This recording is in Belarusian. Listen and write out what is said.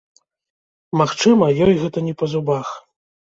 Магчыма, ёй гэта не па зубах.